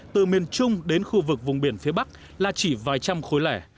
từ miền trung đến khu vực vùng biển phía bắc là chỉ vài trăm khối lẻ